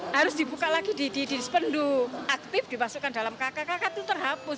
harus dibuka lagi di dispendu aktif dimasukkan dalam kakak kakak itu terhapus